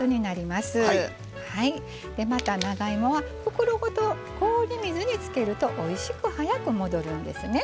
また長芋は袋ごと氷水につけるとおいしく早く戻るんですね。